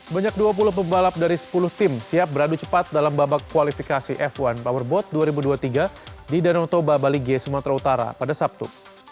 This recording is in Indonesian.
banyak dua puluh pembalap dari sepuluh tim siap beradu cepat dalam babak kualifikasi f satu powerboat dua ribu dua puluh tiga di danau toba balige sumatera utara pada sabtu